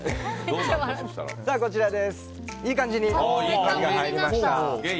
いい感じに火が入りました。